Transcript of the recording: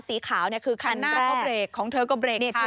สีขาวนี่คือคันแรกข้างหน้าก็เบรกของเธอก็เบรกทัน